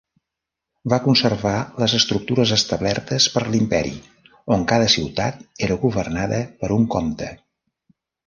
Va conservar les estructures establertes per l'Imperi on cada ciutat era governada per un comte.